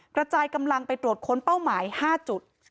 กระจายกำลังไปตรวจค้นเป้าหมาย๕จุด